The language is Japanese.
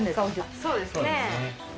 そうですか。